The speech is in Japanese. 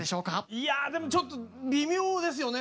いやでもちょっと微妙ですよね。